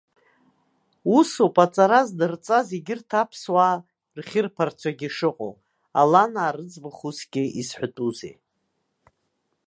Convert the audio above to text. Усоуп аҵара здырҵаз егьырҭ аԥсуаа рхьырԥарцәагьы шыҟоу, аланаа рыӡбахә усгьы изҳәатәузеи.